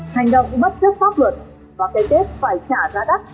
hành động bất chấp pháp luật và cây tết phải trả giá đắt